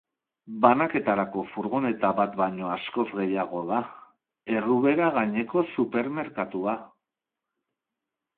Banaketarako furgoneta bat baino askoz gehiago da, errubera gaineko supermerkatua.